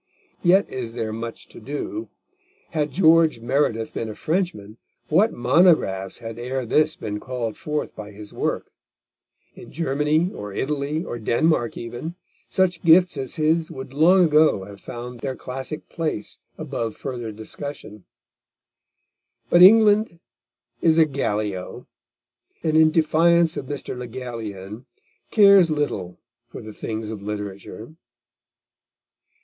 Yet is there much to do. Had George Meredith been a Frenchman, what monographs had ere this been called forth by his work; in Germany, or Italy, or Denmark even, such gifts as his would long ago have found their classic place above further discussion. But England is a Gallio, and in defiance of Mr. Le Gallienne, cares little for the things of literature.